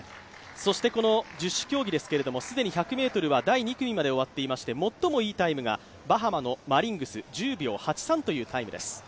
そしてこの十種競技ですが、既に１００ｍは第２組まで終わっていまして最もいいタイムがバハマのマリングス、１０秒８３というタイムです。